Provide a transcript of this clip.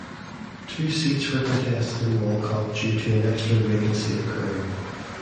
Two seats were contested in Walcot due to an extra vacancy occurring.